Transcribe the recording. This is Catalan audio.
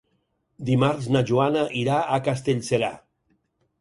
Dimarts na Joana irà a Castellserà.